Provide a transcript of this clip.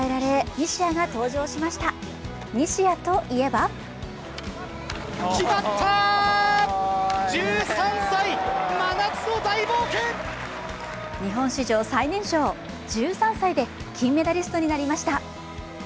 西矢といえば日本史上最年少、１３歳で金メダリストになりました。